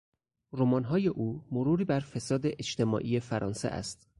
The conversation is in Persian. رمانهای او مروری بر فساد اجتماعی فرانسه است.